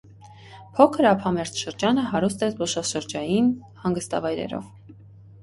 Փոքր ափամերձ շրջանը հարուստ է զբոսաշրջային հանգստավայրերով։